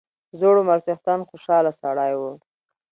زوړ عمر څښتن خوشاله سړی وو.